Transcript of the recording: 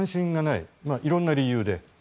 いろんな理由で。